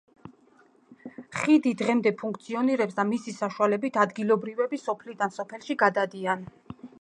ხიდი დღემდე ფუნქციონირებს და მისი საშუალებით ადგილობრივები სოფლიდან სოფელში გადადიან.